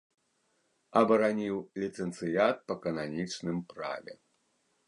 Абараніў ліцэнцыят па кананічным праве.